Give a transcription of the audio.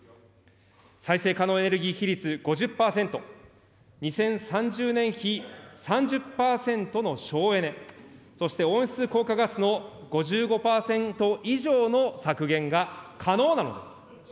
再生可能エネルギー比率５０％、２０３０年比３０％の省エネ、そして温室効果ガスの５５％以上の削減が可能なのです。